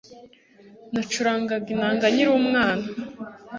Nacuranga inanga nkiri umwana